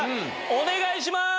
お願いします！